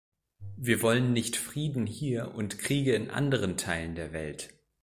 Wir wollen nicht Frieden hier und Kriege in anderen Teilen der Welt.